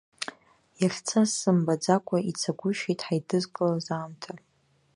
Иахьцаз сымбаӡакәа ицагәышьеит ҳаидызкылоз аамҭа.